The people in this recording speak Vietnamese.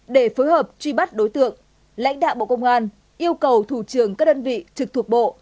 để phối hợp truy bắt đối tượng lãnh đạo bộ công an yêu cầu thủ trường các đơn vị trực thuộc bộ